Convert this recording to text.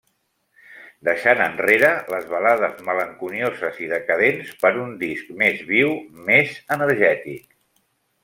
Deixant enrere les balades malenconioses i decadents per un disc més viu, més energètic.